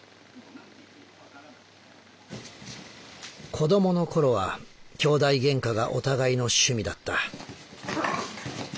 「子どもの頃はきょうだいゲンカがお互いの趣味だった」。